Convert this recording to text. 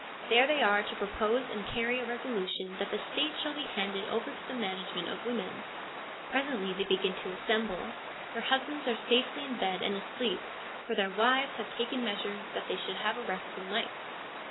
There they are to propose and carry a resolution that the State shall be handed over to the management of women. Presently they begin to assemble ; their husbands are safely in bed and asleep, for their wives have taken measures that they should have a restful night.